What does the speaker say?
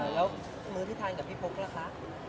แล้วมือที่ทานกับพี่ปุ๊กล่ะคะ